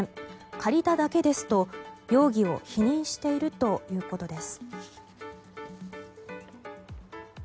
借りただけですと容疑を否認しているということです。